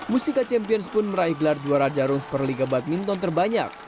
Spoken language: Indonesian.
musica champions pun meraih gelar juara jarum super liga badminton terbanyak